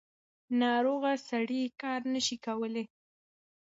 ناروغه سړی کار نشي کولی.